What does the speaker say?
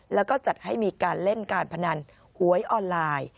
แล้วก็จัดให้มีการเล่นการพนันหวยออนไลน์